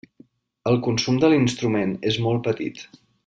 El consum de l’instrument és molt petit.